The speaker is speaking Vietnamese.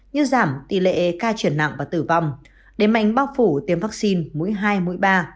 như giảm tỷ lệ ca chuyển nặng và tử vong đề mạnh bao phủ tiêm vaccine mũi hai mũi ba